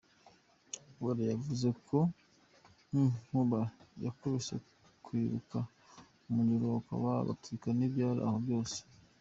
Uwera yavuze ko inkuba yakubise Kwibuka, umuriro ukaka ugatwika n’ibyari aho byose.